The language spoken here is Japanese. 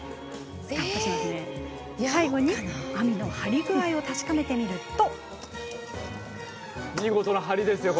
最後に網の張り具合を確かめてみると。